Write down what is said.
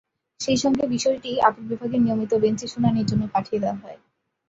সেই সঙ্গে বিষয়টি আপিল বিভাগের নিয়মিত বেঞ্চে শুনানির জন্য পাঠিয়ে দেওয়া হয়।